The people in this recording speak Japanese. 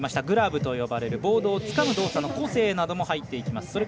グラブと呼ばれるボードをつかむ要素の個性なども入っていきます。